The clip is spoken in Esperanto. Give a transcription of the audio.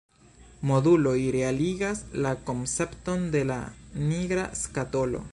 Moduloj realigas la koncepton de la nigra skatolo.